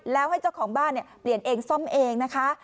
แล้วให้เจ้าของบ้านเปลี่ยนเองซ่อมเองนะคะ